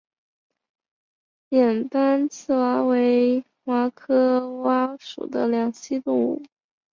眼斑棘蛙为蛙科蛙属的两栖动物。